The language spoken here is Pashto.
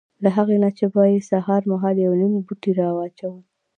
له هغې نه به یې سهار مهال یو نیم پوټی را اچاوه.